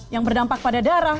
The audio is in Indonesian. yang berdampak pada darah